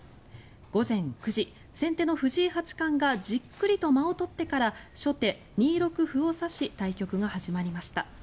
午前９時、先手の藤井八冠がじっくりと間を取ってから初手、２六歩を指し対局が始まりました。